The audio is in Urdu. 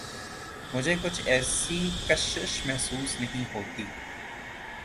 مجھے کچھ ایسی کشش محسوس نہیں ہوتی۔